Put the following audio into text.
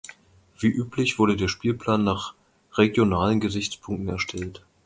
Wie üblich wurde der Spielplan nach regionalen Gesichtspunkten erstellt.